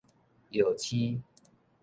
藥疽